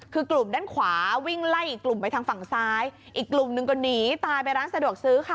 คือกลุ่มด้านขวาวิ่งไล่อีกกลุ่มไปทางฝั่งซ้ายอีกกลุ่มหนึ่งก็หนีตายไปร้านสะดวกซื้อค่ะ